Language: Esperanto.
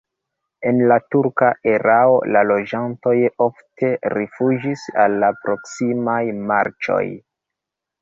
En la turka erao la loĝantoj ofte rifuĝis al la proksimaj marĉoj.